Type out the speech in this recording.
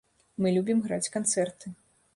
Мы любім граць канцэрты.